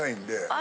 あ。